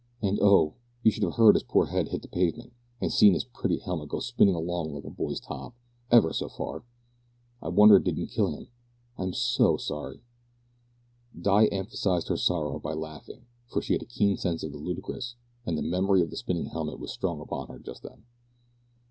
and oh! you should have heard his poor head hit the pavement, and seen his pretty helmet go spinning along like a boy's top, ever so far. I wonder it didn't kill him. I'm so sorry." Di emphasised her sorrow by laughing, for she had a keen sense of the ludicrous, and the memory of the spinning helmet was strong upon her just then.